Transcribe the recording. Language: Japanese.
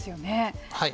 はい。